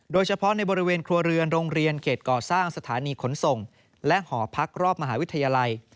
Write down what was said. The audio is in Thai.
โดยเฉพาะในบริเวณครัวเรือนโรงเรียนเขตก่อสร้างสถานีขนส่งและหอพักรอบมหาวิทยาลัย